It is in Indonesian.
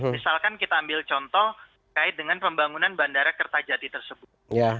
misalkan kita ambil contoh kait dengan pembangunan bandara kertajati tersebut